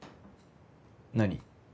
何？